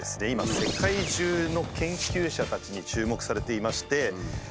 今世界中の研究者たちに注目されていまして。